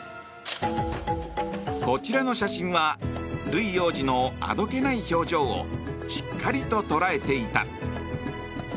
こちらの写真はルイ王子のあどけない表情をしっかりと捉えていた。